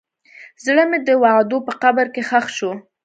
زړه مې د وعدو په قبر کې ښخ شو.